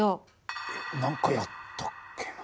えっ何かやったっけな？